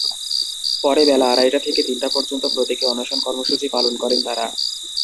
পরে বেলা আড়াইটা থেকে তিনটা পর্যন্ত প্রতীকী অনশন কর্মসূচি পালন করেন তাঁরা।